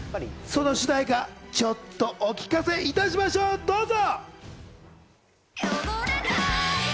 その主題歌、ちょっとお聴かせいたしましょう、どうぞ！